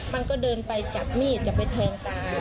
มันก็เดินไปจับมีดจะไปแทงตา